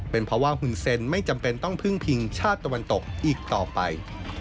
เป็นเพราะว่าหุ่นเซ็นไม่จำเป็นต้องพึ่งพิงชาติตะวันตกอีกต่อไป